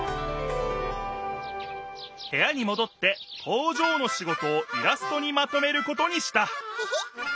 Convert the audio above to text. へやにもどって工場の仕事をイラストにまとめることにしたヘヘッ。